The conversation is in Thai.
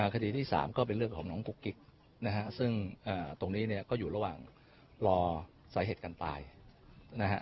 คดีที่๓ก็เป็นเรื่องของน้องกุ๊กกิ๊กนะฮะซึ่งตรงนี้เนี่ยก็อยู่ระหว่างรอสาเหตุการตายนะฮะ